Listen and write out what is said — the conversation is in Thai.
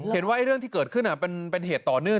เห็นว่าเรื่องที่เกิดขึ้นเป็นเหตุต่อเนื่อง